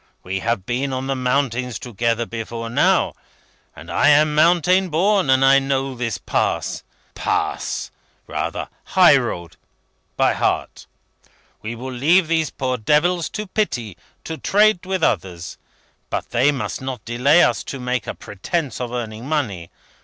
We have been on the mountains together before now, and I am mountain born, and I know this Pass Pass! rather High Road! by heart. We will leave these poor devils, in pity, to trade with others; but they must not delay us to make a pretence of earning money.